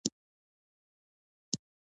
• بښل ذهن ته آرام ورکوي.